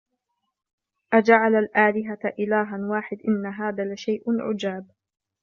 أَجَعَلَ الْآلِهَةَ إِلَهًا وَاحِدًا إِنَّ هَذَا لَشَيْءٌ عُجَابٌ